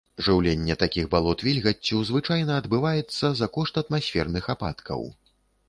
Жыўленне такіх балот вільгаццю звычайна адбываецца за кошт атмасферных ападкаў.